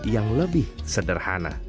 yang lebih sederhana